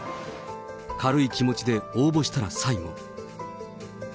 軽い気持ちで応募したら最後。